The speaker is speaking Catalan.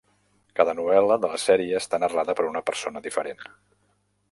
Cada novel·la de la sèrie està narrada per una persona diferent.